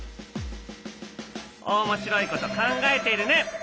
おもしろいこと考えているね。